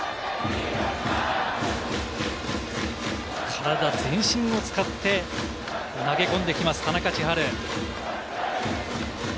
体全身を使って投げ込んできます、田中千晴。